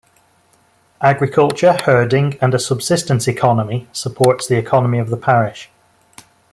Agriculture, herding and a subsistence economy supports the economy of the parish.